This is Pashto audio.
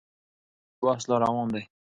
دا بحث لا روان دی.